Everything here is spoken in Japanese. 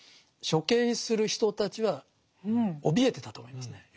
処刑する人たちはおびえてたと思いますね。